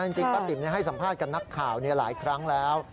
จริงป้าติ๋มให้สัมภาษณ์กับนักข่าวหลายครั้งแล้ว